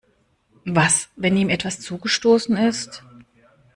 Was, wenn ihm etwas zugestoßen ist?